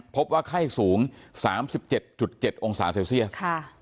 พบว่าไข้สูง๓๗๗องศาเซลเซียส